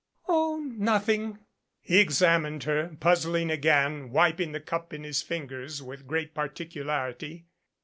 "Oh, nothing." He examined her, puzzling again, wiping the cup in his fingers with great particularity.